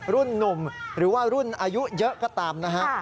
หนุ่มหรือว่ารุ่นอายุเยอะก็ตามนะฮะ